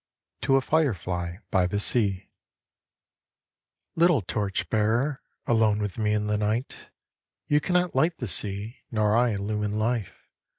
TO A FIREFLY BY THE SEA Little torch bearer, alone with me in the night, You cannot light the sea, nor I illumine life.